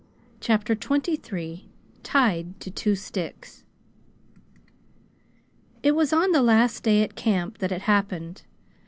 CHAPTER XXIII "TIED TO TWO STICKS" It was on the last day at camp that it happened.